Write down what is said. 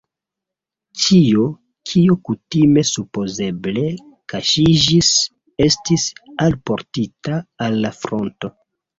Ĉio, kio kutime supozeble kaŝiĝis, estis alportita al la fronto.